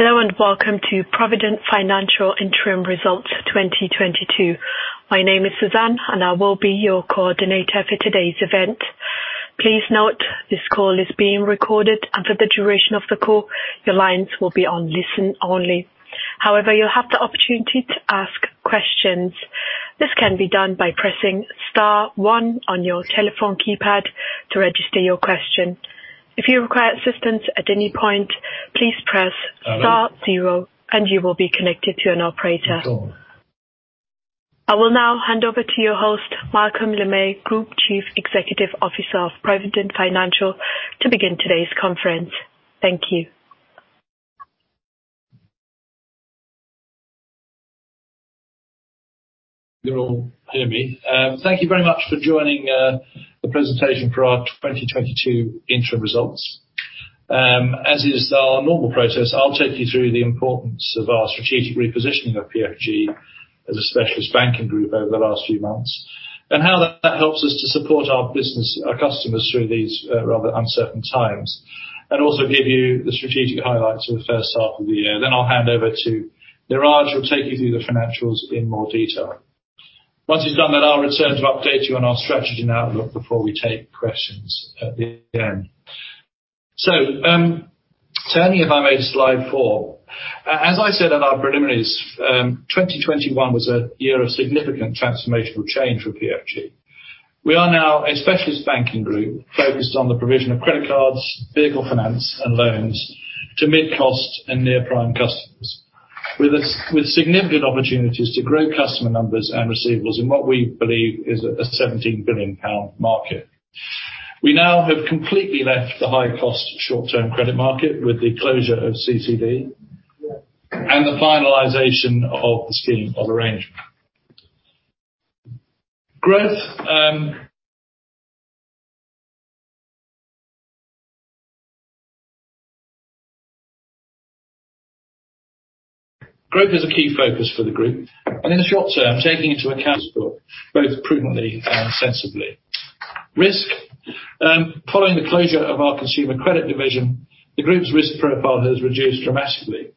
Hello and welcome to Provident Financial Interim Results 2022. My name is Susanna, and I will be your coordinator for today's event. Please note, this call is being recorded, and for the duration of the call, your lines will be on listen only. However, you'll have the opportunity to ask questions. This can be done by pressing star one on your telephone keypad to register your question. If you require assistance at any point, please press star zero and you will be connected to an operator. I will now hand over to your host, Malcolm Le May, Group Chief Executive Officer of Provident Financial, to begin today's conference. Thank you. You all hear me? Thank you very much for joining the presentation for our 2022 Interim Results. As is our normal process, I'll take you through the importance of our strategic repositioning of PFG as a specialist banking group over the last few months, and how that helps us to support our business, our customers through these rather uncertain times. I'll also give you the strategic highlights for the first half of the year. I'll hand over to Neeraj, who'll take you through the financials in more detail. Once he's done that, I'll return to update you on our strategy and outlook before we take questions at the end. Turning, if I may, to slide four. As I said in our preliminaries, 2021 was a year of significant transformational change for PFG. We are now a specialist banking group focused on the provision of credit cards, vehicle finance, and loans to mid-cost and near prime customers. With significant opportunities to grow customer numbers and receivables in what we believe is a GBP 17 billion market. We now have completely left the high cost short-term credit market with the closure of CCD and the finalization of the scheme of arrangement. Growth is a key focus for the group, and in the short term, taking into account both prudently and sensibly. Following the closure of our consumer credit division, the group's risk profile has reduced dramatically,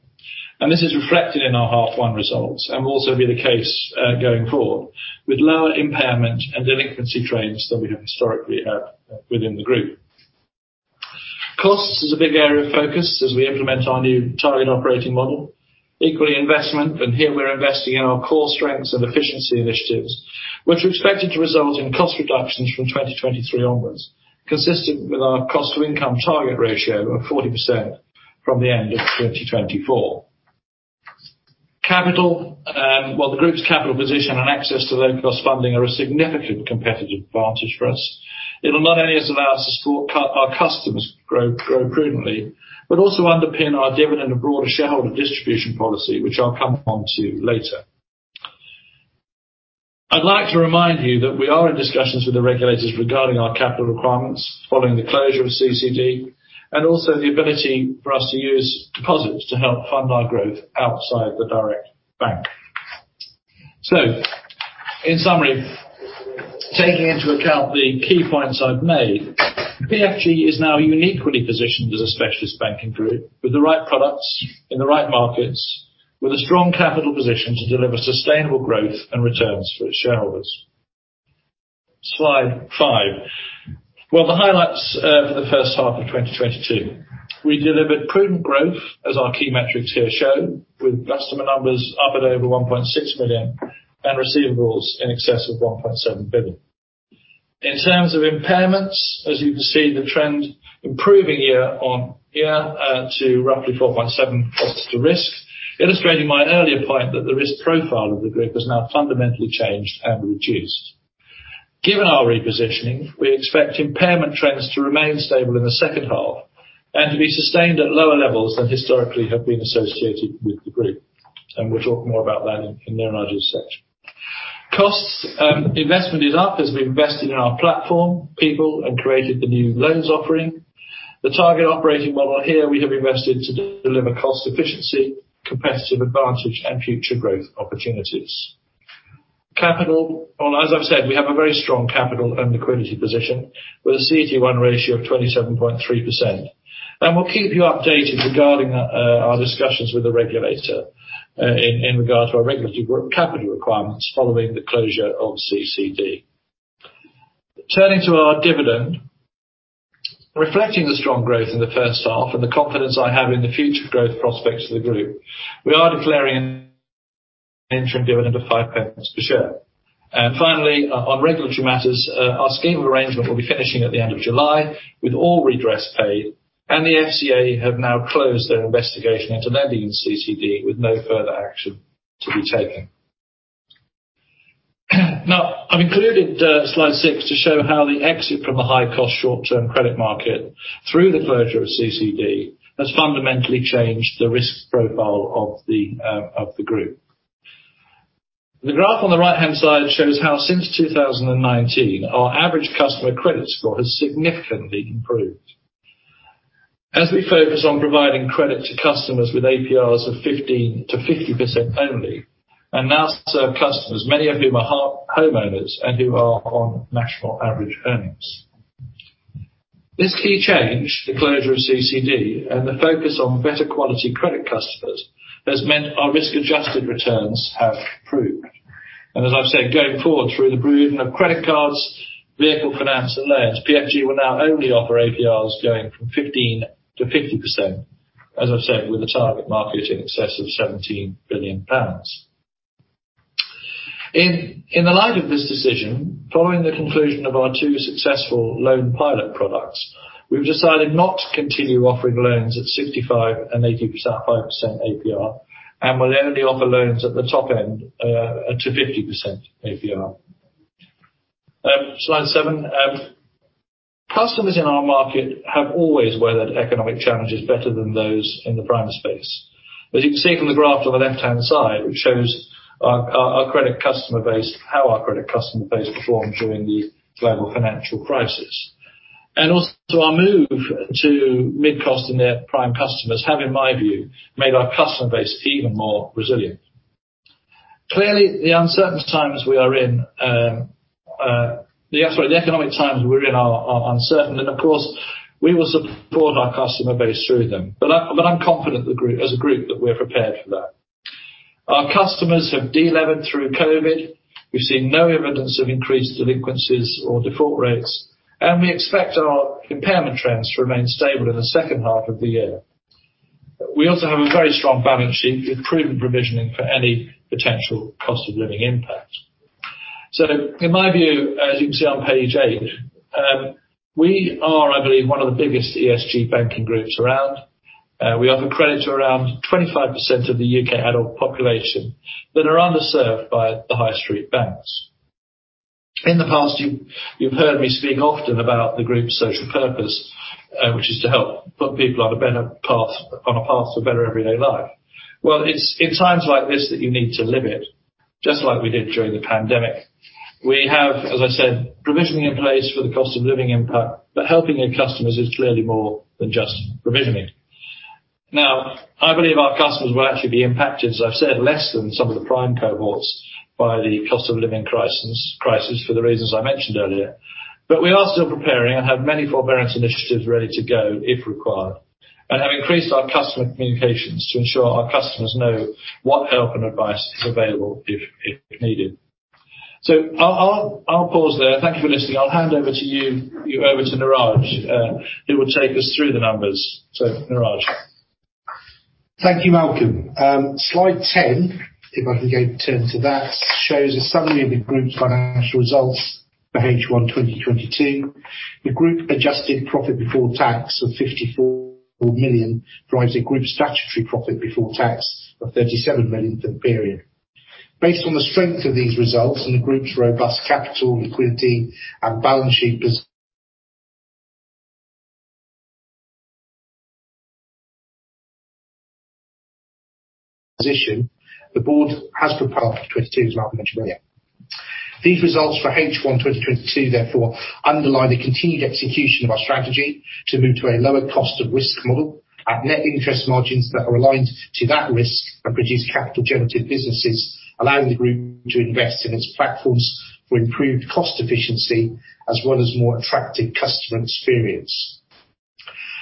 and this is reflected in our half one results and will also be the case, going forward with lower impairment and delinquency trends than we have historically have within the group. Cost is a big area of focus as we implement our new targeted operating model. Equally investment, and here we're investing in our core strengths and efficiency initiatives, which are expected to result in cost reductions from 2023 onwards, consistent with our cost to income target ratio of 40% from the end of 2024. Capital, while the group's capital position and access to low cost funding are a significant competitive advantage for us, it'll not only allow us to support our customers grow prudently, but also underpin our dividend and broader shareholder distribution policy, which I'll come on to later. I'd like to remind you that we are in discussions with the regulators regarding our capital requirements following the closure of CCD, and also the ability for us to use deposits to help fund our growth outside the direct bank. In summary, taking into account the key points I've made, PFG is now uniquely positioned as a specialist banking group with the right products in the right markets, with a strong capital position to deliver sustainable growth and returns for its shareholders. Slide five. Well, the highlights for the first half of 2022. We delivered prudent growth as our key metrics here show, with customer numbers up at over 1.6 million and receivables in excess of 1.7 billion. In terms of impairments, as you can see, the trend improving year-over-year to roughly 4.7% cost to risk. Illustrating my earlier point that the risk profile of the group has now fundamentally changed and reduced. Given our repositioning, we expect impairment trends to remain stable in the second half and to be sustained at lower levels than historically have been associated with the group. We'll talk more about that in their audit section. Costs. Investment is up as we invested in our platform, people and created the new loans offering. The target operating model here we have invested to deliver cost efficiency, competitive advantage and future growth opportunities. Capital. Well, as I've said, we have a very strong capital and liquidity position with a CET1 ratio of 27.3%. We'll keep you updated regarding our discussions with the regulator in regards to our regulatory capital requirements following the closure of CCD. Turning to our dividend. Reflecting the strong growth in the first half and the confidence I have in the future growth prospects of the group, we are declaring an interim dividend of 5 pence per share. Finally, on regulatory matters, our scheme arrangement will be finishing at the end of July with all redress paid and the FCA have now closed their investigation into lending in CCD with no further action to be taken. Now, I've included slide six to show how the exit from the high cost short-term credit market through the closure of CCD has fundamentally changed the risk profile of the group. The graph on the right-hand side shows how since 2019, our average customer credit score has significantly improved. As we focus on providing credit to customers with APRs of 15%-50% only and now serve customers, many of whom are homeowners and who are on national average earnings. This key change, the closure of CCD and the focus on better quality credit customers, has meant our risk-adjusted returns have improved. As I've said, going forward through the improvement of credit cards, vehicle finance and loans, PFG will now only offer APRs going from 15%-50%, as I've said, with the target market in excess of 17 billion pounds. In the light of this decision, following the conclusion of our two successful loan pilot products, we've decided not to continue offering loans at 65% and 80% APR, and will only offer loans at the top end up to 50% APR. Slide seven. Customers in our market have always weathered economic challenges better than those in the prime space. As you can see from the graph on the left-hand side, which shows our credit customer base, how our credit customer base performed during the global financial crisis. Also our move to mid-cost and their prime customers have, in my view, made our customer base even more resilient. Clearly, the uncertain times we are in. The economic times we're in are uncertain. Of course, we will support our customer base through them. I'm confident the group, as a group, that we're prepared for that. Our customers have delevered through COVID. We've seen no evidence of increased delinquencies or default rates, and we expect our impairment trends to remain stable in the second half of the year. We also have a very strong balance sheet with improved provisioning for any potential cost of living impact. In my view, as you can see on page eight, we are, I believe, one of the biggest ESG banking groups around. We offer credit to around 25% of the U.K. adult population that are underserved by the High Street banks. In the past, you've heard me speak often about the group's social purpose, which is to help put people on a better path, on a path to better everyday life. Well, it's in times like this that you need to live it, just like we did during the pandemic. We have, as I said, provisioning in place for the cost of living impact, but helping your customers is clearly more than just provisioning. Now, I believe our customers will actually be impacted, as I've said, less than some of the prime cohorts by the cost of living crisis for the reasons I mentioned earlier. We are still preparing and have many forbearance initiatives ready to go if required, and have increased our customer communications to ensure our customers know what help and advice is available if needed. I'll pause there. Thank you for listening. I'll hand over to you over to Neeraj, who will take us through the numbers. Neeraj. Thank you, Malcolm. Slide 10, if I can turn to that, shows a summary of the group's financial results for H1 2022. The group adjusted profit before tax of 54 million drives a group statutory profit before tax of 37 million for the period. Based on the strength of these results and the group's robust capital, liquidity and balance sheet position, the board has declared a dividend for 2022, as Malcolm mentioned earlier. These results for H1 2022 therefore underline the continued execution of our strategy to move to a lower cost of risk model at net interest margins that are aligned to that risk and produce capital generative businesses, allowing the group to invest in its platforms for improved cost efficiency as well as more attractive customer experience.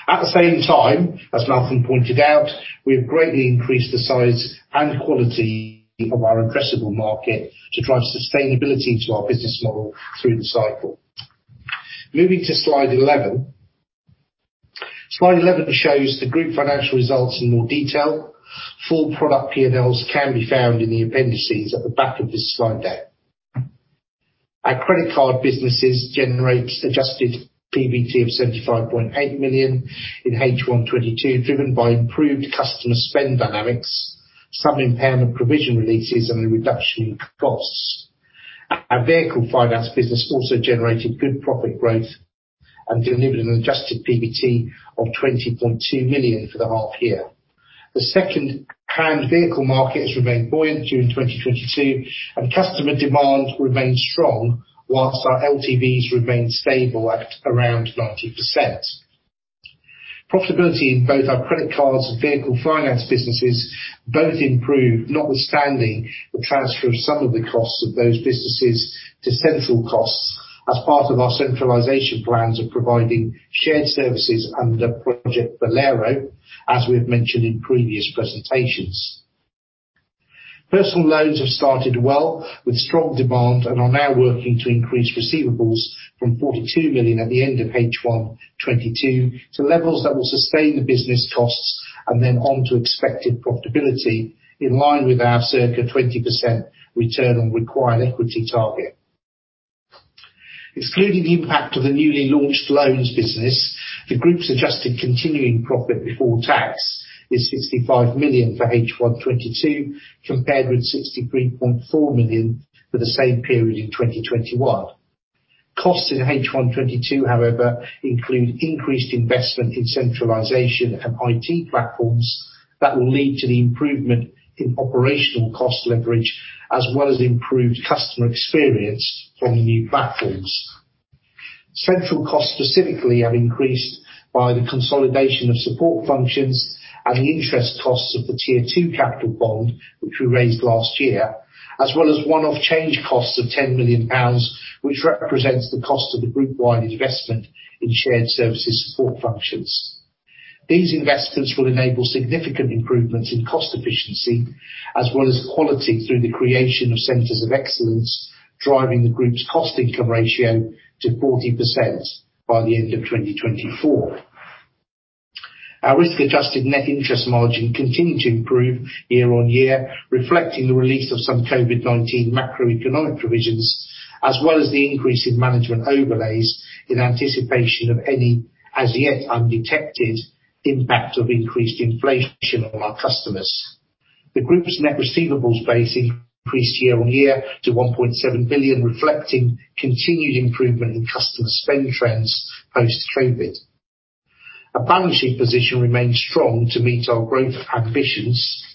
At the same time, as Malcolm pointed out, we have greatly increased the size and quality of our addressable market to drive sustainability to our business model through the cycle. Moving to slide 11. Slide 11 shows the group financial results in more detail. Full product P&Ls can be found in the appendices at the back of this slide deck. Our credit card businesses generates adjusted PBT of 75.8 million in H1 2022, driven by improved customer spend dynamics, some impairment provision releases and a reduction in costs. Our vehicle finance business also generated good profit growth and delivered an adjusted PBT of 20.2 million for the half year. The second-hand vehicle market has remained buoyant during 2022, and customer demand remained strong, while our LTVs remained stable at around 90%. Profitability in both our credit cards and vehicle finance businesses both improved, notwithstanding the transfer of some of the costs of those businesses to central costs as part of our centralization plans of providing shared services under Project Bolero, as we have mentioned in previous presentations. personal loans have started well with strong demand and are now working to increase receivables from 42 million at the end of H1 2022 to levels that will sustain the business costs and then on to expected profitability in line with our circa 20% return on required equity target. Excluding the impact of the newly launched loans business, the group's adjusted continuing profit before tax is 65 million for H1 2022, compared with 63.4 million for the same period in 2021. Costs in H1 2022, however, include increased investment in centralization and IT platforms that will lead to the improvement in operational cost leverage as well as improved customer experience from the new platforms. Central costs specifically have increased by the consolidation of support functions and the interest costs of the Tier 2 capital bond, which we raised last year, as well as one-off change costs of 10 million pounds, which represents the cost of the group wide investment in shared services support functions. These investments will enable significant improvements in cost efficiency as well as quality through the creation of centers of excellence, driving the group's cost income ratio to 40% by the end of 2024. Our risk-adjusted net interest margin continued to improve year-on-year, reflecting the release of some COVID-19 macroeconomic provisions as well as the increase in management overlays in anticipation of any as yet undetected impact of increased inflation on our customers. The group's net receivables base increased year-on-year to 1.7 billion, reflecting continued improvement in customer spend trends post-COVID. Our balance sheet position remains strong to meet our growth ambitions.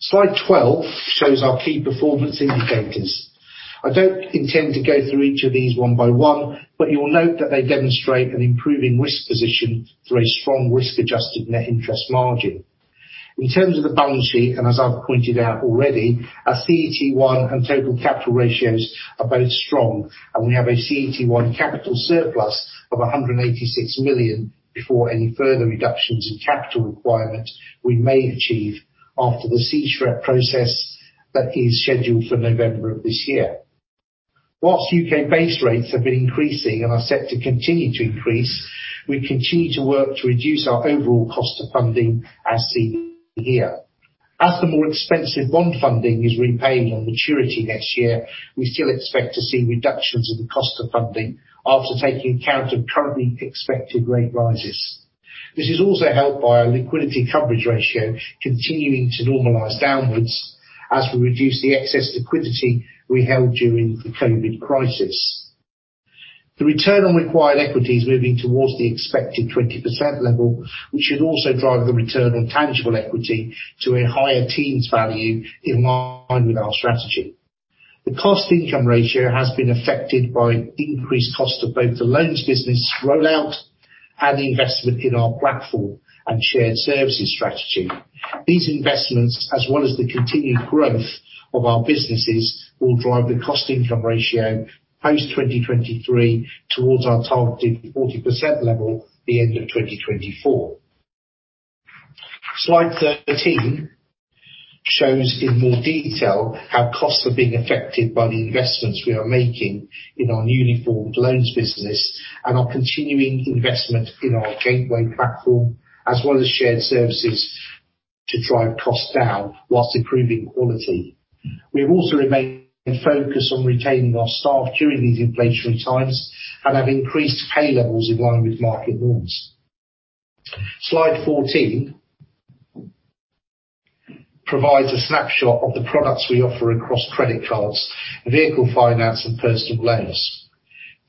Slide 12 shows our key performance indicators. I don't intend to go through each of these one by one, but you'll note that they demonstrate an improving risk position through a strong risk-adjusted net interest margin. In terms of the balance sheet, and as I've pointed out already, our CET1 and total capital ratios are both strong, and we have a CET1 capital surplus of 186 million before any further reductions in capital requirement we may achieve after the SREP process that is scheduled for November of this year. While U.K. base rates have been increasing and are set to continue to increase, we continue to work to reduce our overall cost of funding as seen here. As the more expensive bond funding is repaid on maturity next year, we still expect to see reductions in the cost of funding after taking account of currently expected rate rises. This is also helped by our liquidity coverage ratio continuing to normalize downwards as we reduce the excess liquidity we held during the COVID crisis. The return on required equity is moving towards the expected 20% level, which should also drive the return on tangible equity to a high-teens value in line with our strategy. The cost-income ratio has been affected by increased cost of both the loans business rollout and the investment in our platform and shared services strategy. These investments, as well as the continued growth of our businesses, will drive the cost-income ratio post-2023 towards our targeted 40% level at the end of 2024. Slide 13 shows in more detail how costs are being affected by the investments we are making in our newly formed loans business and our continuing investment in our Gateway platform as well as shared services to drive cost down while improving quality. We have also remained focused on retaining our staff during these inflationary times and have increased pay levels in line with market norms. Slide 14 provides a snapshot of the products we offer across credit cards, vehicle finance, and personal loans.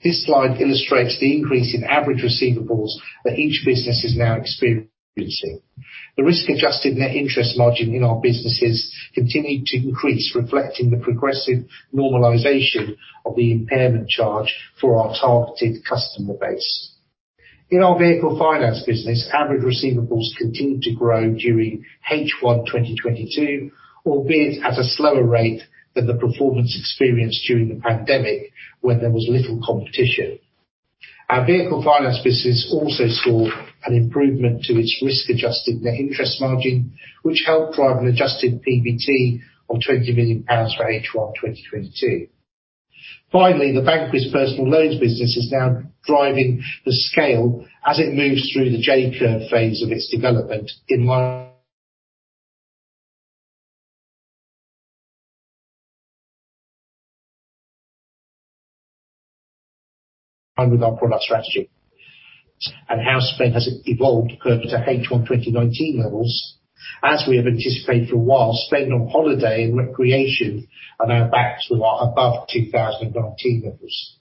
This slide illustrates the increase in average receivables that each business is now experiencing. The risk-adjusted net interest margin in our businesses continued to increase, reflecting the progressive normalization of the impairment charge for our targeted customer base. In our vehicle finance business, average receivables continued to grow during H1 2022, albeit at a slower rate than the performance experienced during the pandemic when there was little competition. Our vehicle finance business also saw an improvement to its risk-adjusted net interest margin, which helped drive an adjusted PBT of 20 million pounds for H1 2022. Finally, the bank's personal loans business is now driving the scale as it moves through the J-curve phase of its development in line with our product strategy and how spend has evolved compared to H1 2019 levels. As we have anticipated for a while, spend on holiday and recreation are now back to a lot above 2019 levels.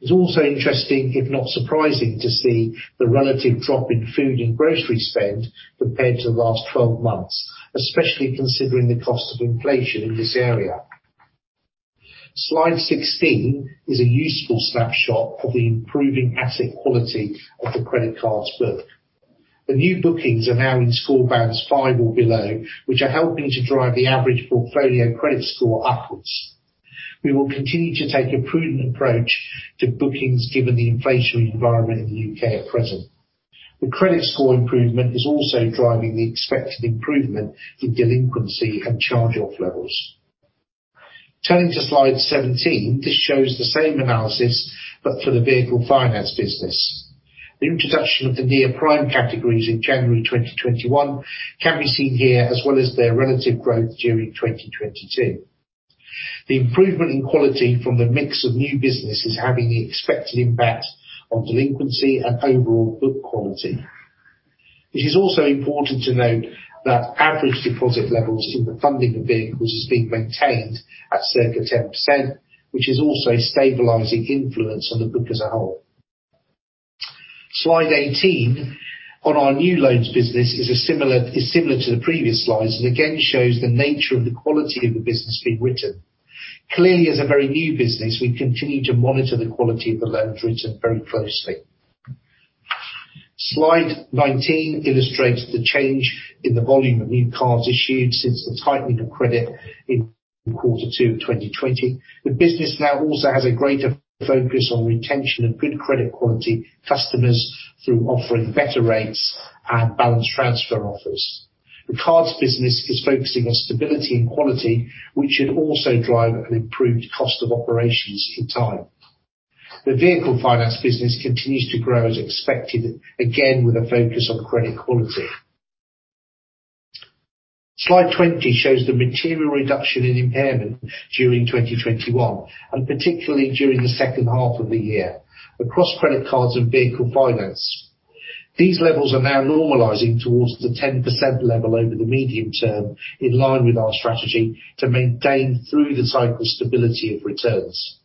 It's also interesting, if not surprising, to see the relative drop in food and grocery spend compared to the last 12 months, especially considering the cost of inflation in this area. Slide 16 is a useful snapshot of the improving asset quality of the credit cards book. The new bookings are now in score bands five or below, which are helping to drive the average portfolio credit score upwards. We will continue to take a prudent approach to bookings given the inflationary environment in the U.K. at present. The credit score improvement is also driving the expected improvement in delinquency and charge-off levels. Turning to slide 17. This shows the same analysis, but for the vehicle finance business. The introduction of the near-prime categories in January 2021 can be seen here as well as their relative growth during 2022. The improvement in quality from the mix of new business is having the expected impact on delinquency and overall book quality. It is also important to note that average deposit levels in the funding of vehicles is being maintained at circa 10%, which is also stabilizing influence on the book as a whole. Slide 18 on our new loans business is similar to the previous slides, and again shows the nature of the quality of the business being written. Clearly, as a very new business, we continue to monitor the quality of the loans written very closely. Slide 19 illustrates the change in the volume of new cards issued since the tightening of credit in quarter two of 2020. The business now also has a greater focus on retention of good credit quality customers through offering better rates and balance transfer offers. The cards business is focusing on stability and quality, which should also drive an improved cost of operations in time. The vehicle finance business continues to grow as expected, again, with a focus on credit quality. Slide 20 shows the material reduction in impairment during 2021, and particularly during the second half of the year across credit cards and vehicle finance. These levels are now normalizing towards the 10% level over the medium term, in line with our strategy to maintain through the cycle stability of returns.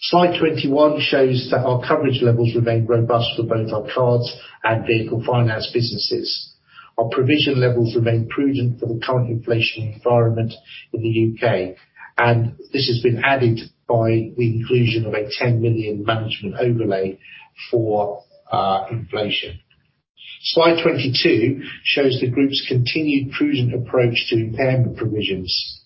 Slide 21 shows that our coverage levels remain robust for both our cards and vehicle finance businesses. Our provision levels remain prudent for the current inflation environment in the U.K., and this has been added by the inclusion of a 10 million management overlay for inflation. Slide 22 shows the group's continued prudent approach to impairment provisions.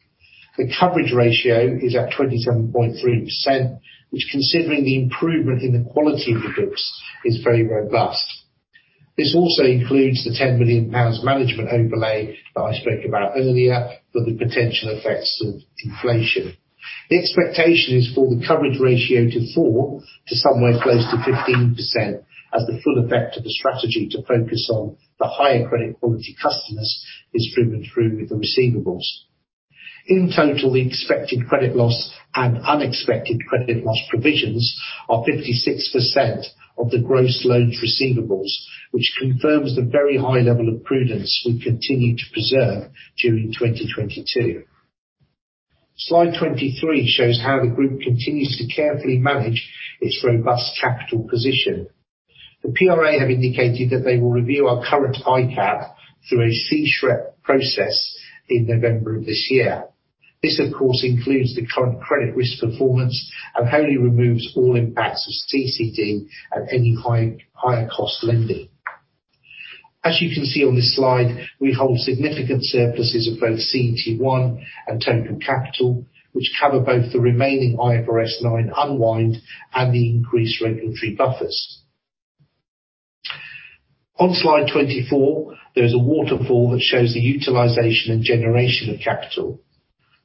The coverage ratio is at 27.3%, which considering the improvement in the quality of the books, is very robust. This also includes the 10 million pounds management overlay that I spoke about earlier for the potential effects of inflation. The expectation is for the coverage ratio to fall to somewhere close to 15% as the full effect of the strategy to focus on the higher credit quality customers is driven through with the receivables. In total, the expected credit loss and unexpected credit loss provisions are 56% of the gross loans receivables, which confirms the very high level of prudence we continue to preserve during 2022. Slide 23 shows how the group continues to carefully manage its robust capital position. The PRA have indicated that they will review our current ICAP through a C-SREP process in November of this year. This, of course, includes the current credit risk performance and wholly removes all impacts of CCD and any higher cost lending. As you can see on this slide, we hold significant surpluses of both CET1 and total capital, which cover both the remaining IFRS 9 unwind and the increased regulatory buffers. On slide 24, there is a waterfall that shows the utilization and generation of capital.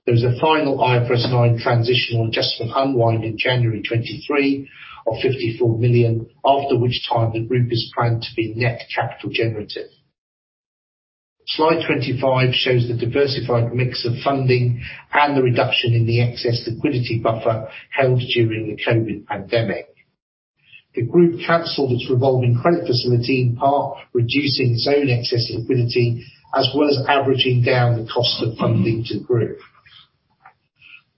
There is a final IFRS 9 transitional adjustment unwind in January 2023 of 54 million, after which time the group is planned to be net capital generative. Slide 25 shows the diversified mix of funding and the reduction in the excess liquidity buffer held during the COVID-19 pandemic. The group canceled its revolving credit facility in part, reducing its own excess liquidity, as well as averaging down the cost of funding to the group.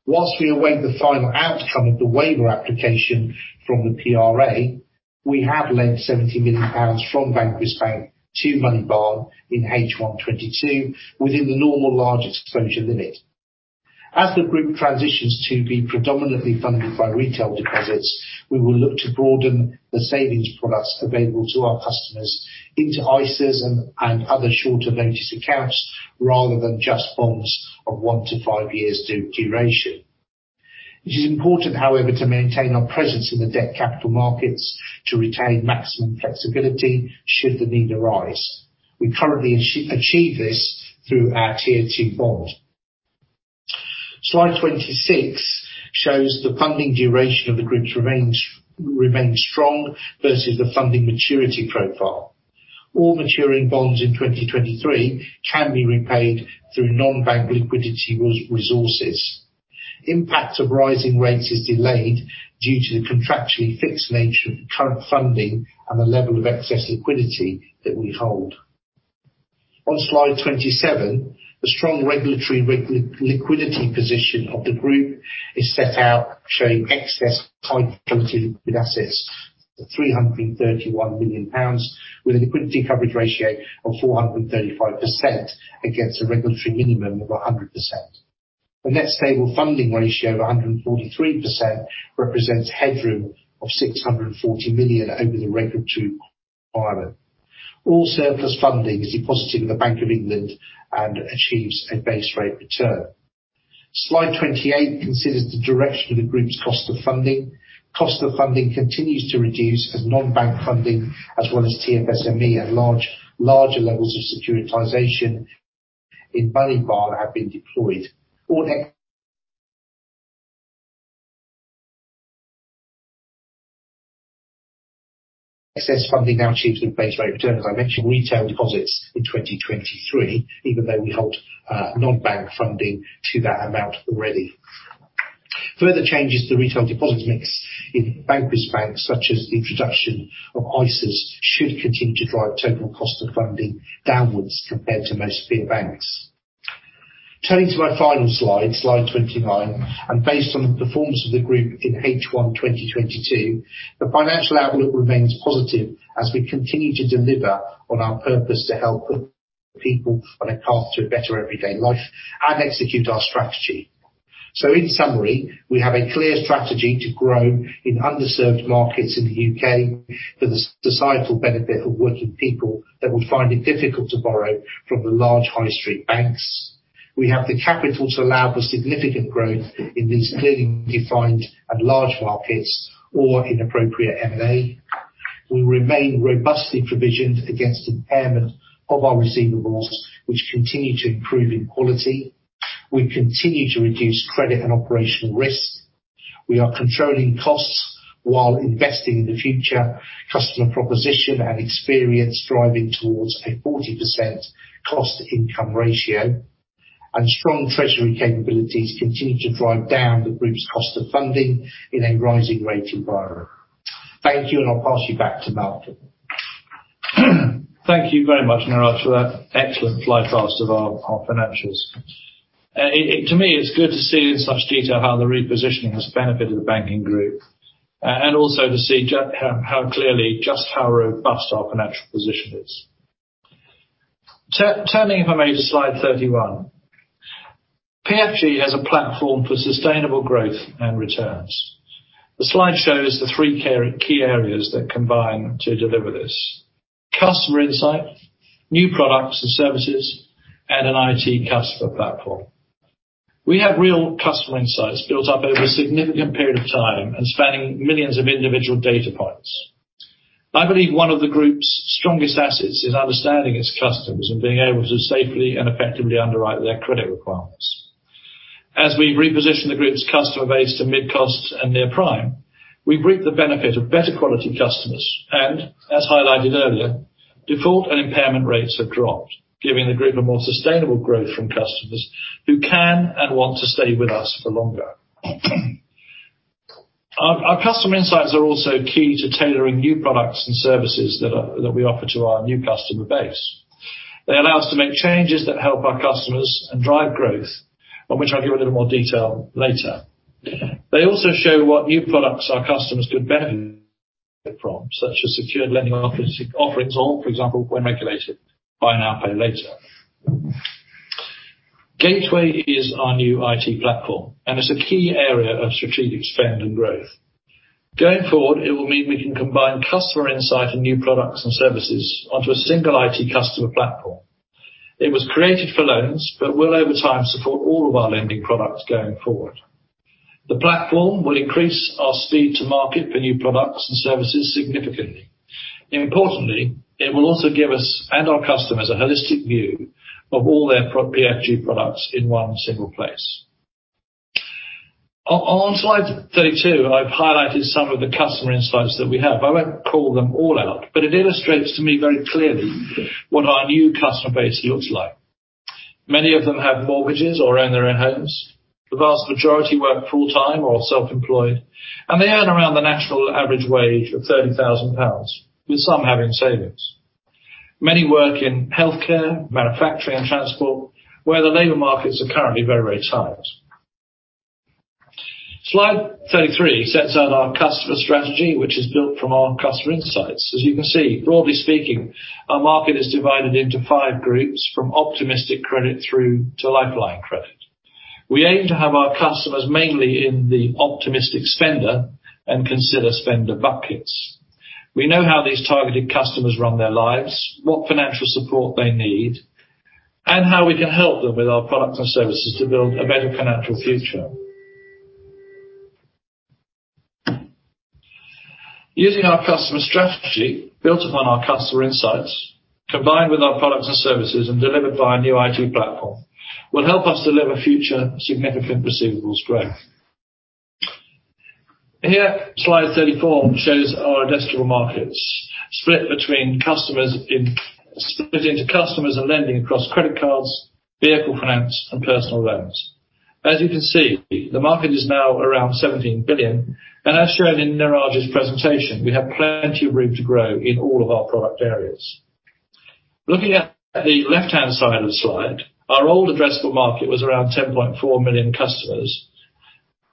While we await the final outcome of the waiver application from the PRA, we have lent 70 million pounds from Vanquis Bank to Moneybarn in H1 2022 within the normal large exposure limit. As the group transitions to be predominantly funded by retail deposits, we will look to broaden the savings products available to our customers into ISAs and other shorter notice accounts, rather than just bonds of one to five years duration. It is important, however, to maintain our presence in the debt capital markets to retain maximum flexibility should the need arise. We currently achieve this through our Tier 2 bond. Slide 26 shows the funding duration of the group's remains strong versus the funding maturity profile. All maturing bonds in 2023 can be repaid through non-bank liquidity resources. Impact of rising rates is delayed due to the contractually fixed nature of the current funding and the level of excess liquidity that we hold. On slide 27, the strong regulatory liquidity position of the group is set out, showing excess high-quality liquid assets, 331 million pounds, with a liquidity coverage ratio of 435% against a regulatory minimum of 100%. The net stable funding ratio of 143% represents headroom of 640 million over the regulatory requirement. All surplus funding is deposited in the Bank of England and achieves a base rate return. Slide 28 considers the direction of the group's cost of funding. Cost of funding continues to reduce as non-bank funding as well as TFSME at larger levels of securitization in Moneybarn have been deployed. Excess funding now achieves a base rate return, as I mentioned. Retail deposits in 2023, even though we hold non-bank funding to that amount already. Further changes to retail deposits mix in Vanquis Bank, such as the introduction of ISAs, should continue to drive total cost of funding downwards compared to most peer banks. Turning to my final slide 29, and based on the performance of the group in H1 2022, the financial outlook remains positive as we continue to deliver on our purpose to help people on a path to a better everyday life and execute our strategy. In summary, we have a clear strategy to grow in underserved markets in the U.K. for the societal benefit of working people that would find it difficult to borrow from the large high street banks. We have the capital to allow for significant growth in these clearly defined and large markets or in appropriate M&A. We remain robustly provisioned against impairment of our receivables, which continue to improve in quality. We continue to reduce credit and operational risk. We are controlling costs while investing in the future customer proposition and experience, driving towards a 40% cost income ratio. Strong treasury capabilities continue to drive down the group's cost of funding in a rising rate environment. Thank you, and I'll pass you back to Malcolm. Thank you very much, Neeraj, for that excellent flypast of our financials. To me, it's good to see in such detail how the repositioning has benefited the banking group, and also to see how clearly just how robust our financial position is. Turning, if I may, to slide 31. PFG has a platform for sustainable growth and returns. The slide shows the three key areas that combine to deliver this. Customer insight, new products and services, and an IT customer platform. We have real customer insights built up over a significant period of time and spanning millions of individual data points. I believe one of the group's strongest assets is understanding its customers and being able to safely and effectively underwrite their credit requirements. As we reposition the group's customer base to mid-cost and near prime, we reap the benefit of better quality customers, and as highlighted earlier, default and impairment rates have dropped, giving the group a more sustainable growth from customers who can and want to stay with us for longer. Our customer insights are also key to tailoring new products and services that we offer to our new customer base. They allow us to make changes that help our customers and drive growth, on which I'll give a little more detail later. They also show what new products our customers could benefit from, such as secured lending offerings, for example, when regulated, buy now, pay later. Gateway is our new IT platform, and it's a key area of strategic spend and growth. Going forward, it will mean we can combine customer insight and new products and services onto a single IT customer platform. It was created for loans but will over time support all of our lending products going forward. The platform will increase our speed to market for new products and services significantly. Importantly, it will also give us and our customers a holistic view of all their PFG products in one single place. On slide 32, I've highlighted some of the customer insights that we have. I won't call them all out, but it illustrates to me very clearly what our new customer base looks like. Many of them have mortgages or own their own homes. The vast majority work full-time or are self-employed, and they earn around the national average wage of 30,000 pounds, with some having savings. Many work in healthcare, manufacturing, and transport, where the labor markets are currently very, very tight. Slide 33 sets out our customer strategy, which is built from our customer insights. As you can see, broadly speaking, our market is divided into five groups, from optimistic credit through to lifeline credit. We aim to have our customers mainly in the optimistic spender and consider spender buckets. We know how these targeted customers run their lives, what financial support they need, and how we can help them with our products and services to build a better financial future. Using our customer strategy built upon our customer insights, combined with our products and services and delivered by a new IT platform, will help us deliver future significant receivables growth. Here, Slide 34 shows our addressable markets split into customers and lending across credit cards, vehicle finance, and personal loans. As you can see, the market is now around 17 billion. As shown in Neeraj's presentation, we have plenty of room to grow in all of our product areas. Looking at the left-hand side of the slide, our old addressable market was around 10.4 million customers.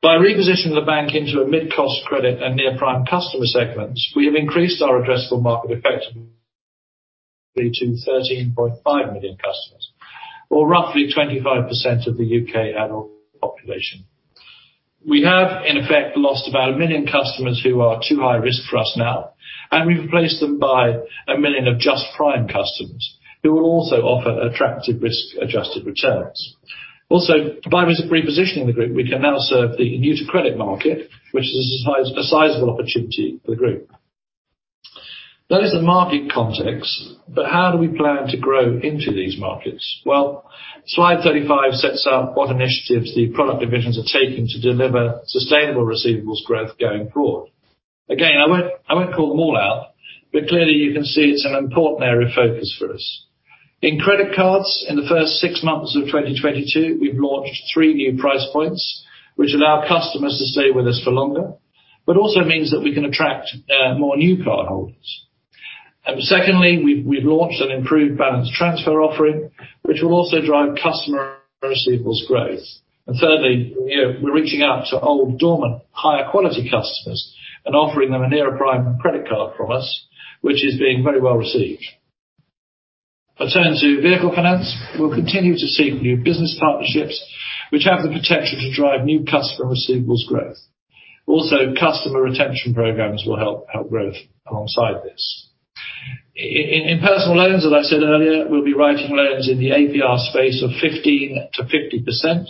By repositioning the bank into a mid-cost credit and near-prime customer segments, we have increased our addressable market effectively to 13.5 million customers or roughly 25% of the U.K. adult population. We have, in effect, lost about 1 million customers who are too high risk for us now, and we've replaced them by 1 million just prime customers who will also offer attractive risk-adjusted returns. Also, by repositioning the group, we can now serve the new to credit market, which is a sizable opportunity for the group. That is the market context, but how do we plan to grow into these markets? Well, slide 35 sets out what initiatives the product divisions are taking to deliver sustainable receivables growth going forward. Again, I won't call them all out, but clearly you can see it's an important area of focus for us. In credit cards, in the first six months of 2022, we've launched three new price points, which allow customers to stay with us for longer. But also means that we can attract more new cardholders. Secondly, we've launched an improved balance transfer offering, which will also drive customer receivables growth. Thirdly, you know, we're reaching out to old dormant higher quality customers and offering them a near prime credit card from us, which is being very well received. I turn to vehicle finance. We'll continue to seek new business partnerships which have the potential to drive new customer receivables growth. Also, customer retention programs will help growth alongside this. In personal loans, as I said earlier, we'll be writing loans in the APR space of 15%-50%.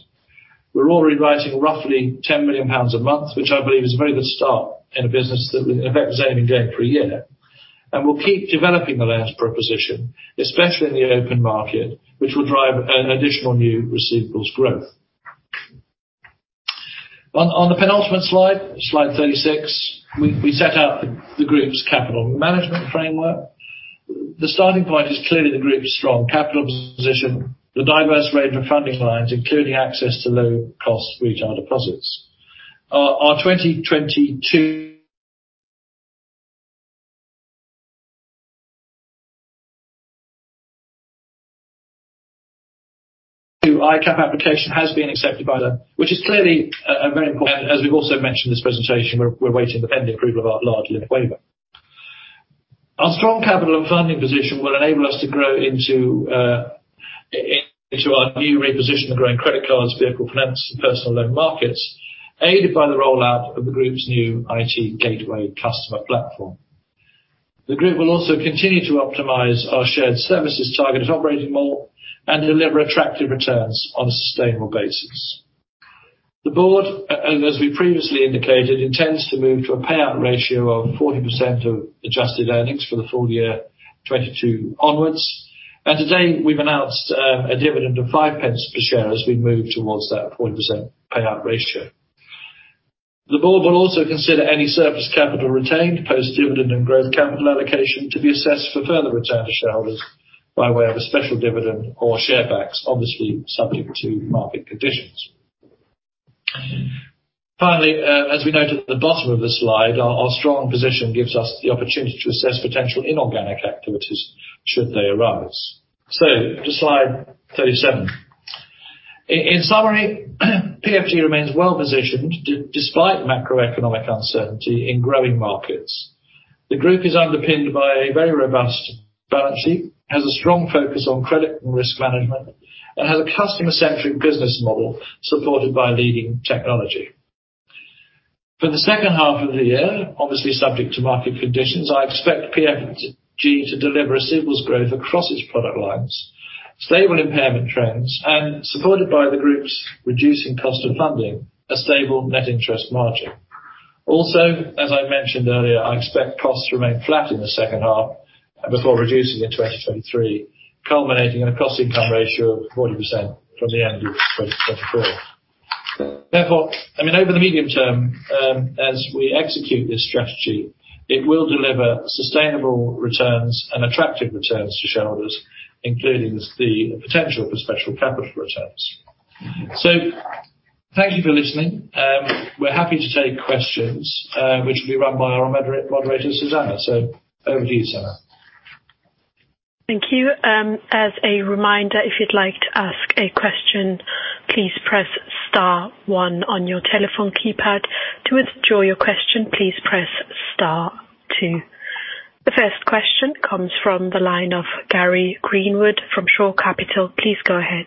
We're already writing roughly 10 million pounds a month, which I believe is a very good start in a business that we in effect is only going for a year. We'll keep developing the loans proposition, especially in the open market, which will drive an additional new receivables growth. On the penultimate slide 36, we set out the group's capital management framework. The starting point is clearly the group's strong capital position, the diverse range of funding lines, including access to low-cost retail deposits. Our 2022 ICAP application has been accepted by them, which is clearly very important. As we've also mentioned in this presentation, we're waiting pending the approval of our large limit waiver. Our strong capital and funding position will enable us to grow into our new reposition of growing credit cards, vehicle finance, and personal loan markets, aided by the rollout of the group's new IT Gateway customer platform. The group will also continue to optimize our shared services targeted operating model and deliver attractive returns on a sustainable basis. The board and as we previously indicated, intends to move to a payout ratio of 40% of adjusted earnings for the full year 2022 onwards. Today, we've announced a dividend of 0.05 per share as we move towards that 40% payout ratio. The board will also consider any surplus capital retained post-dividend and growth capital allocation to be assessed for further return to shareholders by way of a special dividend or share backs, obviously subject to market conditions. Finally, as we note at the bottom of the slide, our strong position gives us the opportunity to assess potential inorganic activities should they arise. To slide 37. In summary, PFG remains well positioned despite macroeconomic uncertainty in growing markets. The group is underpinned by a very robust balance sheet, has a strong focus on credit and risk management, and has a customer-centric business model supported by leading technology. For the second half of the year, obviously subject to market conditions, I expect PFG to deliver receivables growth across its product lines, stable impairment trends, and supported by the group's reducing cost of funding, a stable net interest margin. As I mentioned earlier, I expect costs to remain flat in the second half and before reducing in 2023, culminating in a cost income ratio of 40% from the end of 2024. Therefore, I mean, over the medium term, as we execute this strategy, it will deliver sustainable returns and attractive returns to shareholders, including the potential for special capital returns. Thank you for listening. We're happy to take questions, which will be run by our moderator, Susanna. Over to you, Susanna. Thank you. As a reminder, if you'd like to ask a question, please press star one on your telephone keypad. To withdraw your question, please press star two. The first question comes from the line of Gary Greenwood from Shore Capital. Please go ahead.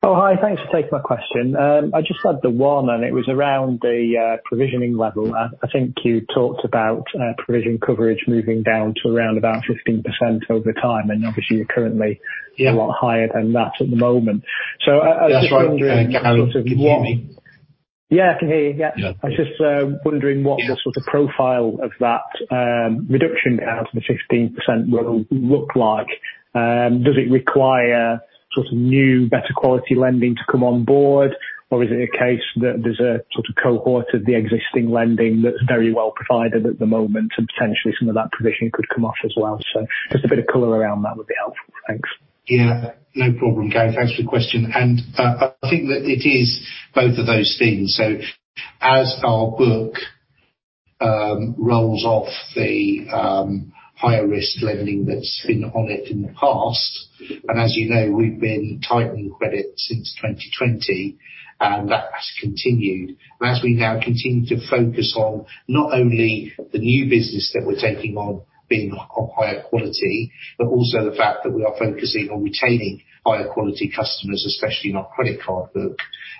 Oh, hi. Thanks for taking my question. I just had the one, and it was around the provisioning level. I think you talked about provision coverage moving down to around about 15% over time, and obviously, you're currently. Yeah. A lot higher than that at the moment. I was just wondering. That's right. Gary, can you hear me? Yeah, I can hear you. Yeah. Yeah. I was just wondering what the sort of profile of that reduction down to the 15% will look like. Does it require sort of new, better quality lending to come on board? Or is it a case that there's a sort of cohort of the existing lending that's very well provided at the moment and potentially some of that provision could come off as well? Just a bit of color around that would be helpful. Thanks. Yeah, no problem, Gary. Thanks for the question. I think that it is both of those things. As our book rolls off the higher risk lending that's been on it in the past, and as you know, we've been tightening credit since 2020, and that has continued. We now continue to focus on not only the new business that we're taking on being of higher quality, but also the fact that we are focusing on retaining higher quality customers, especially in our credit card book,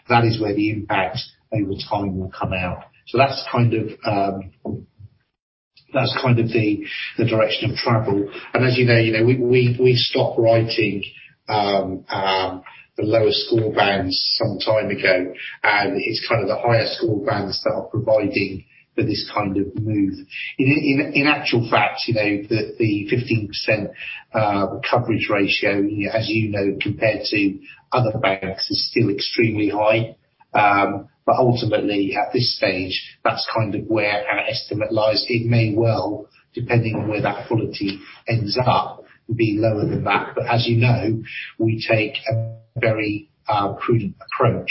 that is where the impact over time will come out. That's kind of the direction of travel. As you know, we stopped writing the lower score bands some time ago, and it's kind of the higher score bands that are providing for this kind of move. In actual fact, you know, the 15% coverage ratio, you know, as you know, compared to other banks is still extremely high. Ultimately, at this stage, that's kind of where our estimate lies. It may well, depending on where that quality ends up, be lower than that. As you know, we take a very prudent approach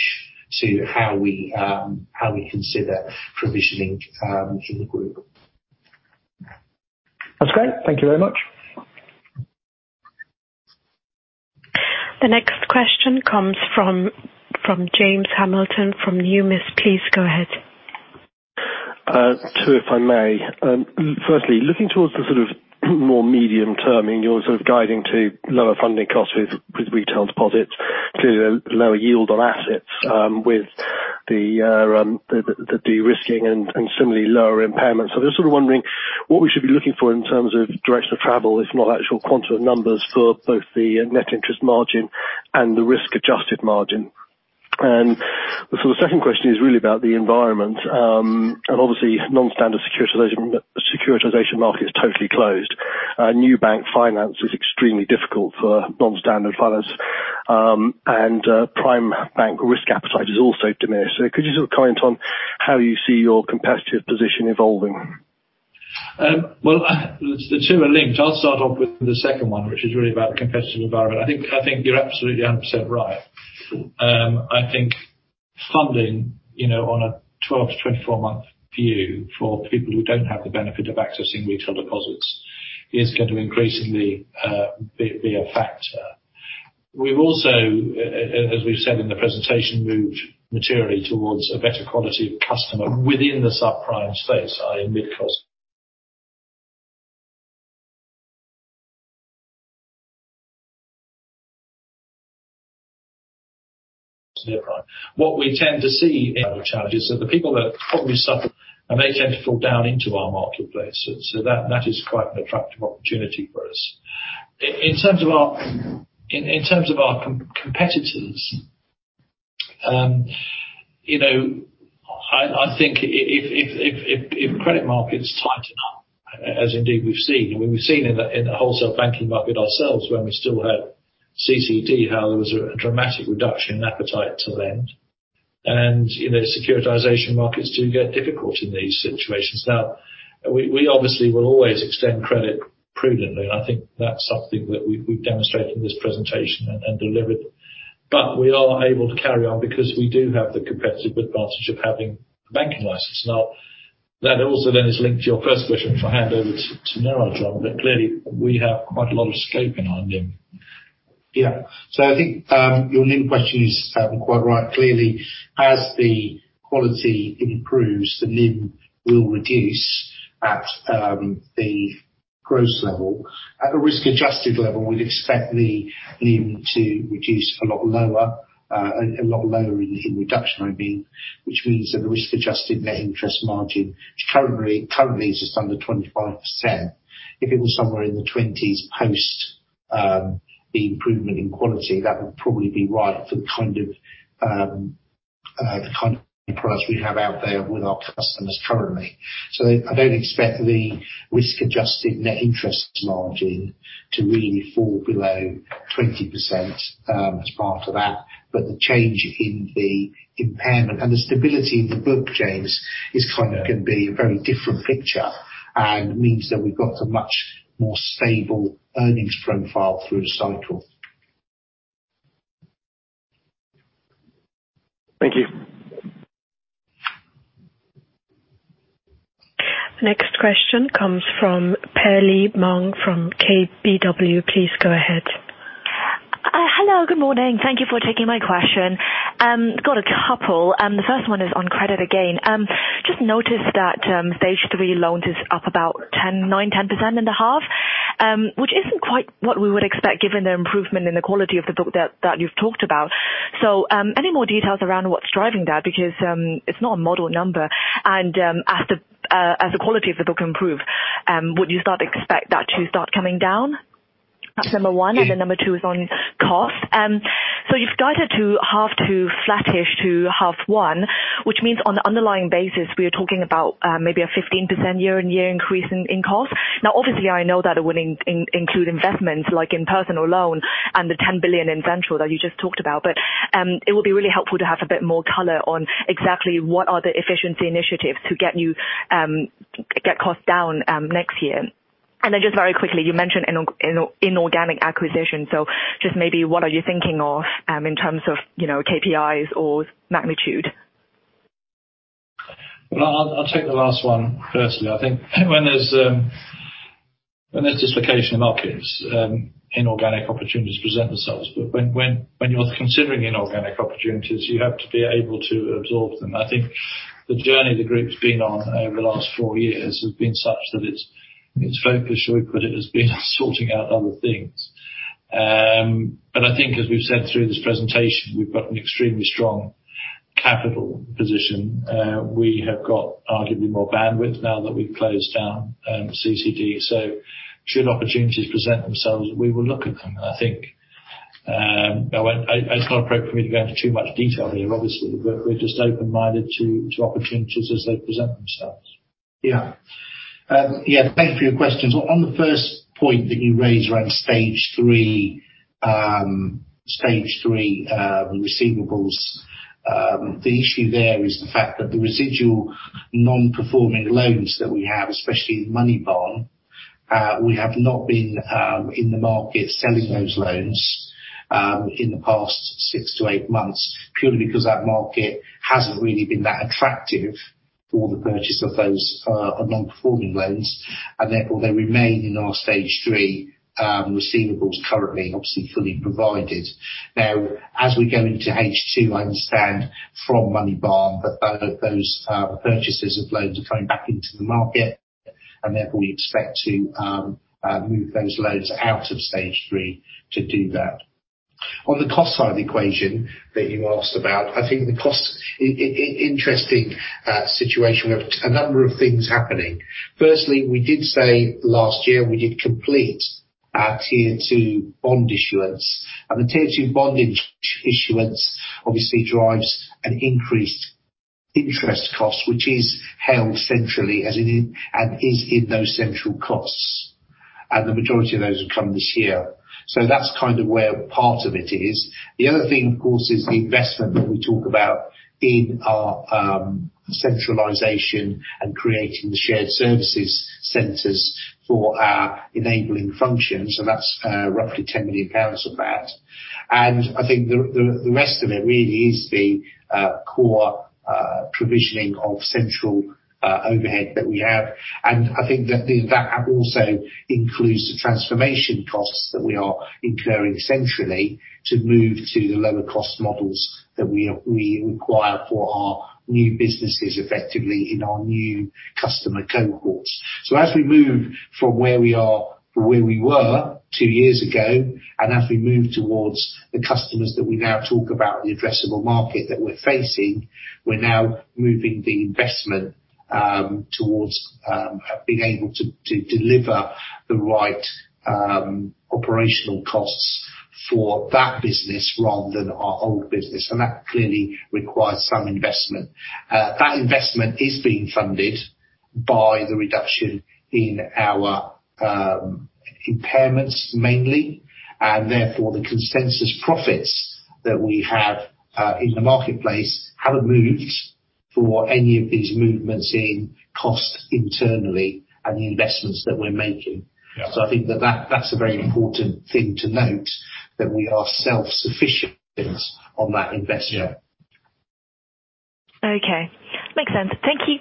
to how we consider provisioning for the group. That's great. Thank you very much. The next question comes from James Hamilton from Numis. Please go ahead. Two, if I may. Firstly, looking towards the sort of more medium term, and you're sort of guiding to lower funding costs with retail deposits to a lower yield on assets, with the de-risking and similarly lower impairment. Just sort of wondering what we should be looking for in terms of direction of travel, if not actual quantum numbers for both the net interest margin and the risk adjusted margin. The second question is really about the environment. Obviously non-standard securitization market is totally closed. New bank finance is extremely difficult for non-standard finance. Prime bank risk appetite is also diminished. Could you sort of comment on how you see your competitive position evolving? Well, the two are linked. I'll start off with the second one, which is really about the competitive environment. I think you're absolutely 100% right. I think funding, you know, on a 12- to 24-month view for people who don't have the benefit of accessing retail deposits is going to increasingly be a factor. We've also, as we've said in the presentation, moved materially towards a better quality of customer within the subprime space in mid-cost. What we tend to see in other channels are the people that probably suffer and they tend to fall down into our marketplace, so that is quite an attractive opportunity for us. In terms of our competitors, you know, I think if credit markets tighten up, as indeed we've seen, and we've seen in the wholesale banking market ourselves when we still have CCD, how there was a dramatic reduction in appetite to lend. You know, securitization markets do get difficult in these situations. Now, we obviously will always extend credit prudently, and I think that's something that we've demonstrated in this presentation and delivered. We are able to carry on because we do have the competitive advantage of having a banking license. Now, that also then is linked to your first question if I hand over to Neeraj on that one. Clearly we have quite a lot of scope in our NIM. Yeah. I think your NIM question is quite right. Clearly, as the quality improves, the NIM will reduce at the gross level. At a risk adjusted level, we'd expect the NIM to reduce a lot lower in reduction, I mean, which means that the risk adjusted net interest margin, which currently is just under 25%. If it was somewhere in the 20s post the improvement in quality, that would probably be right for the kind of products we have out there with our customers currently. I don't expect the risk adjusted net interest margin to really fall below 20% as part of that. The change in the impairment and the stability in the book, James, is kinda gonna be a very different picture and means that we've got a much more stable earnings profile through the cycle. Thank you. The next question comes from Perlie Mong from KBW. Please go ahead. Hello. Good morning. Thank you for taking my question. Got a couple, and the first one is on credit again. Just noticed that stage three loans is up about 10.9%-10% in the half, which isn't quite what we would expect given the improvement in the quality of the book that you've talked about. Any more details around what's driving that? Because it's not a model number. As the quality of the book improve, would you start expect that to start coming down? That's number one. Yeah. Number two is on cost. You've guided to half to flattish to half one, which means on the underlying basis, we are talking about maybe a 15% year-over-year increase in cost. Now, obviously, I know that it would include investments like in personal loan and the 10 billion in central that you just talked about. It would be really helpful to have a bit more color on exactly what are the efficiency initiatives to get costs down next year. Just very quickly, you mentioned inorganic acquisition. Just maybe what are you thinking of in terms of, you know, KPIs or magnitude? Well, I'll take the last one. Firstly, I think when there's dislocation in markets, inorganic opportunities present themselves. When you're considering inorganic opportunities, you have to be able to absorb them. I think the journey the group's been on over the last four years has been such that its focus has been sorting out other things. I think as we've said through this presentation, we've got an extremely strong capital position. We have got arguably more bandwidth now that we've closed down CCD. Should opportunities present themselves, we will look at them, I think. It's not appropriate for me to go into too much detail here, obviously. We're just open-minded to opportunities as they present themselves. Thank you for your questions. On the first point that you raised around stage three receivables, the issue there is the fact that the residual non-performing loans that we have, especially in Moneybarn, we have not been in the market selling those loans in the past six to eight months, purely because that market hasn't really been that attractive for the purchase of those non-performing loans. Therefore, they remain in our stage three receivables currently, obviously fully provided. Now, as we go into H2, I understand from Moneybarn that those purchases of loans are coming back into the market, and therefore we expect to move those loans out of stage three to do that. On the cost side of the equation that you asked about, I think the cost, interesting situation. We have a number of things happening. Firstly, we did say last year we did complete our Tier 2 bond issuance. The Tier 2 bond issuance obviously drives an increased interest cost, which is held centrally as it did, and is in those central costs. The majority of those will come this year. That's kind of where part of it is. The other thing, of course, is the investment that we talk about in our centralization and creating the shared services centers for our enabling functions, and that's roughly 10 million pounds of that. I think the rest of it really is the core provisioning of central overhead that we have. I think that also includes the transformation costs that we are incurring centrally to move to the lower cost models that we require for our new businesses effectively in our new customer cohorts. As we move from where we were two years ago, and as we move towards the customers that we now talk about, the addressable market that we're facing, we're now moving the investment towards being able to deliver the right operational costs for that business rather than our old business. That clearly requires some investment. That investment is being funded by the reduction in our impairments mainly, and therefore the consensus profits that we have in the marketplace haven't moved for any of these movements in cost internally and the investments that we're making. Yeah. I think that that's a very important thing to note, that we are self-sufficient on that investment. Yeah. Okay. Makes sense. Thank you.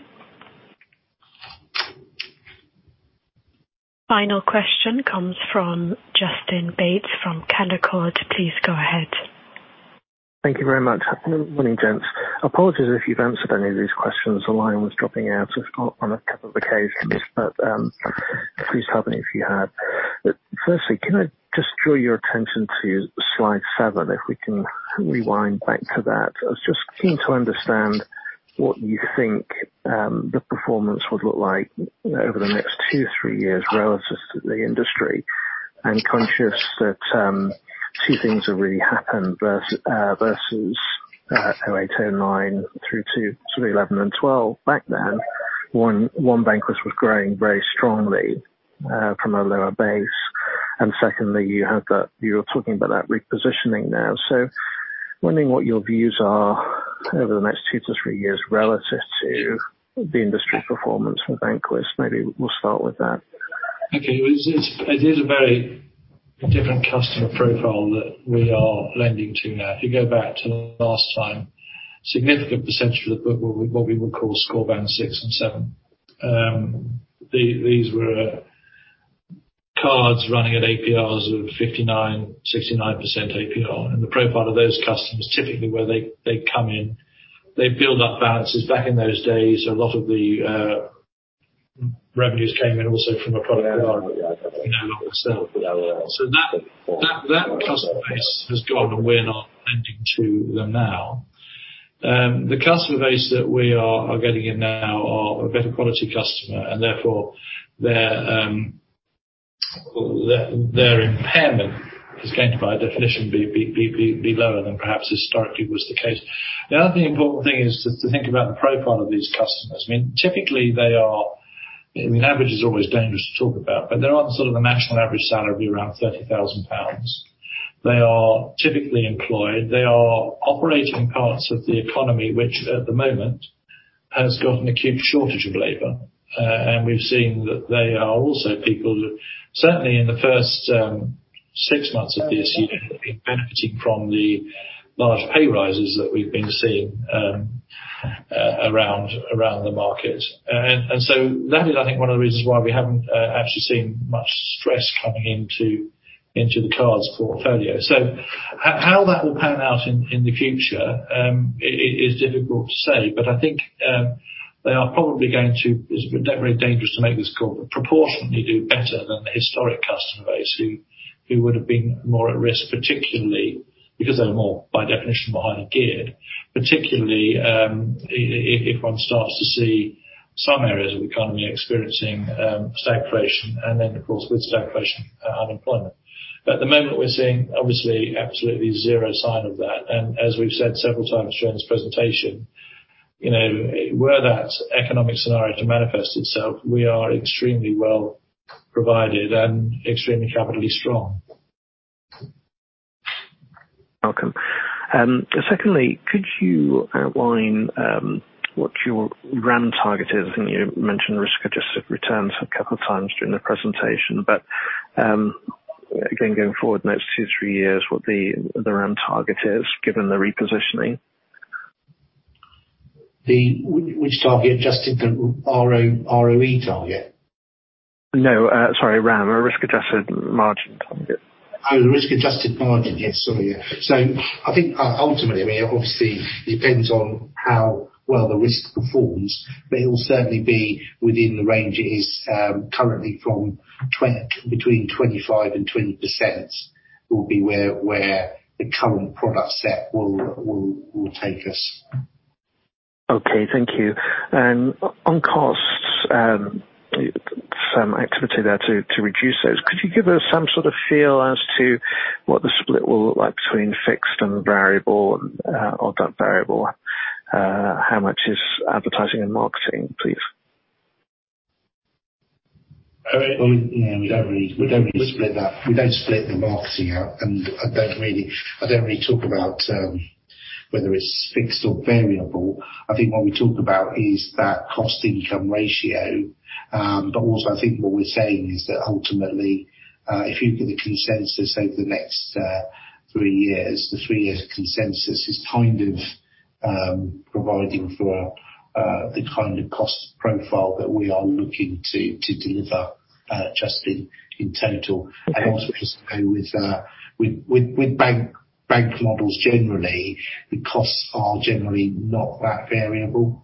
Final question comes from Justin Bates from Canaccord. Please go ahead. Thank you very much. Good morning, gents. Apologies if you've answered any of these questions. The line was dropping out, so it's not on a couple of occasions. Please tell me if you have. Firstly, can I just draw your attention to slide seven, if we can rewind back to that. I was just keen to understand what you think the performance would look like over the next two, three years relative to the industry. I'm conscious that two things have really happened versus 2008, 2009 through to 2011 and 2012. Back then, one, Vanquis was growing very strongly from a lower base. Secondly, you have that you were talking about that repositioning now. Wondering what your views are over the next two to three years relative to the industry performance for Vanquis. Maybe we'll start with that. Okay. It is a very different customer profile that we are lending to now. If you go back to last time, significant percentage of the book were what we would call score band 6 and 7. These were cards running at APRs of 59%, 69% APR. The profile of those customers, typically, they come in, they build up balances. Back in those days, a lot of the revenues came in also from a product themselves. That customer base has gone, and we're not lending to them now. The customer base that we are getting in now are a better quality customer, and therefore their impairment is going to, by definition, be lower than perhaps historically was the case. The other important thing is to think about the profile of these customers. I mean, typically, they are. I mean, average is always dangerous to talk about, but they're on sort of a national average salary around 30,000 pounds. They are typically employed. They are operating in parts of the economy, which at the moment has got an acute shortage of labor. We've seen that they are also people that certainly in the first six months of this year have been benefiting from the large pay rises that we've been seeing around the market. That is, I think, one of the reasons why we haven't actually seen much stress coming into the cards portfolio. How that will pan out in the future, it is difficult to say. I think they are probably going to, it's very dangerous to make this call, but proportionately do better than the historic customer base who would have been more at risk, particularly because they're more, by definition, more highly geared, particularly, if one starts to see some areas of the economy experiencing stagnation, and then of course, with stagnation, unemployment. At the moment we're seeing obviously absolutely zero sign of that. As we've said several times during this presentation, you know, were that economic scenario to manifest itself, we are extremely well provided and extremely capital strong. Welcome. Secondly, could you outline what your RAM target is? You mentioned risk-adjusted returns a couple times during the presentation. Again, going forward the next two, three years, what the RAM target is given the repositioning. Which target, Justin? The ROE target? No. Sorry, RAM or risk-adjusted margin target. Oh, risk-adjusted margin. Yes. Sorry. Yeah. I think, ultimately, I mean, obviously, it depends on how well the risk performs, but it will certainly be within the range it is currently between 25% and 20% will be where the current product set will take us. Okay, thank you. On costs, some activity there to reduce those. Could you give us some sort of feel as to what the split will look like between fixed and variable, of that variable? How much is advertising and marketing, please? All right. Well, you know, we don't really split that. We don't split the marketing out, and I don't really talk about whether it's fixed or variable. I think what we talk about is that cost-income ratio. But also I think what we're saying is that ultimately, if you get the consensus over the next three years, the three-year consensus is kind of providing for the kind of cost profile that we are looking to deliver, Justin, in total. Also, just to go with bank models generally, the costs are generally not that variable,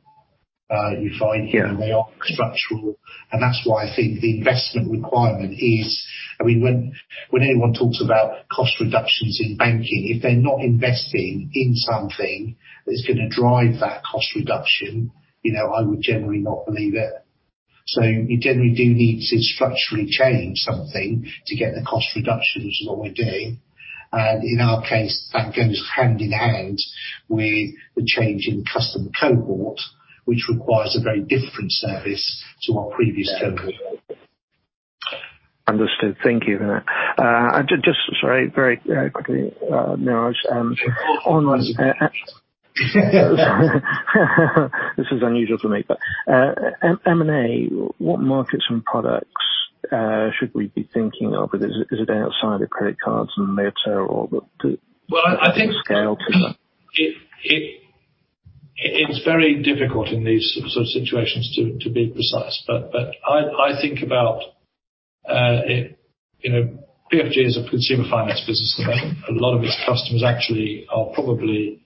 you find. Yeah. You know, they are structural. That's why I think the investment requirement is. I mean, when anyone talks about cost reductions in banking, if they're not investing in something that's gonna drive that cost reduction, you know, I would generally not believe it. You generally do need to structurally change something to get the cost reduction, which is what we're doing. In our case, that goes hand in hand with the change in customer cohort, which requires a very different service to our previous cohort. Understood. Thank you. Just, sorry, very quickly, Neeraj, on this is unusual for me. M&A, what markets and products should we be thinking of? Is it outside of credit cards and Moneybarn or the- Well, I think. The scale to that. It's very difficult in these sort of situations to be precise, but I think about it. You know, PFG is a consumer finance business at the moment. A lot of its customers actually are probably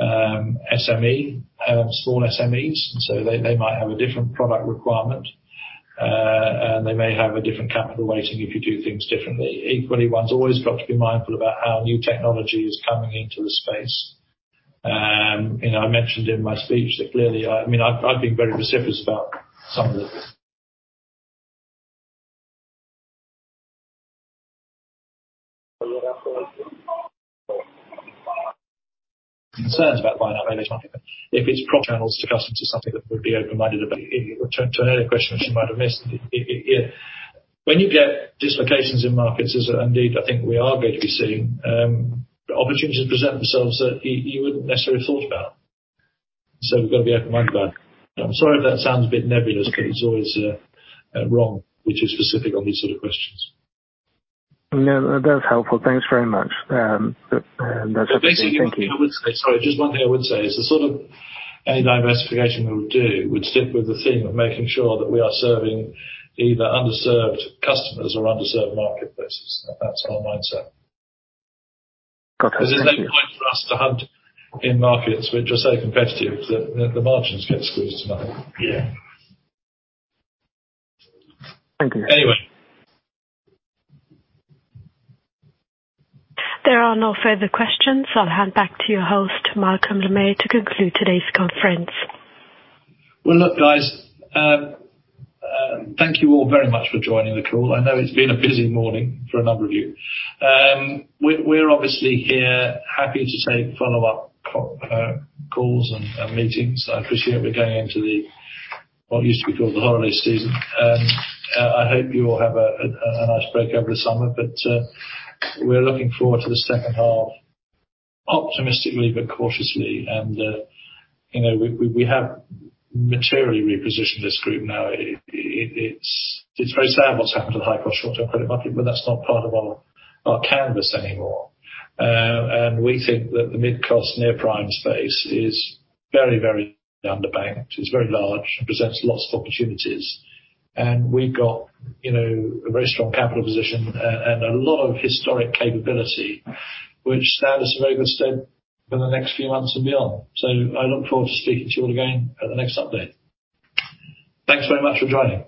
SME, small SMEs. So they might have a different product requirement. And they may have a different capital weighting if you do things differently. Equally, one's always got to be mindful about how new technology is coming into the space. You know, I mentioned in my speech that clearly I mean, I've been very vociferous about some of the concerns about buy now pay later market. If it's proper channels to customers is something that we'd be open-minded about. To an earlier question which you might have missed. When you get dislocations in markets as indeed I think we are going to be seeing, opportunities present themselves that you wouldn't necessarily have thought about. We've got to be open-minded about it. I'm sorry if that sounds a bit nebulous, but it's always wrong, we're too specific on these sort of questions. No, that's helpful. Thanks very much. That's helpful. Thank you. Sorry, just one thing I would say is the sort of any diversification we would do would stick with the theme of making sure that we are serving either underserved customers or underserved marketplaces. That's our mindset. Okay. Thank you. 'Cause there's no point for us to hunt in markets which are so competitive that the margins get squeezed to nothing. Yeah. Thank you. Anyway. There are no further questions. I'll hand back to your host, Malcolm Le May, to conclude today's conference. Well, look, guys, thank you all very much for joining the call. I know it's been a busy morning for a number of you. We're obviously here happy to take follow-up calls and meetings. I appreciate we're going into what used to be called the holiday season. I hope you all have a nice break over the summer, but we're looking forward to the second half optimistically but cautiously. You know, we have materially repositioned this group now. It's very sad what's happened to the high cost short-term credit market, but that's not part of our canvas anymore. We think that the mid-cost near prime space is very underbanked. It's very large and presents lots of opportunities. We've got, you know, a very strong capital position and a lot of historic capability, which stand us in very good stead for the next few months and beyond. I look forward to speaking to you all again at the next update. Thanks very much for joining.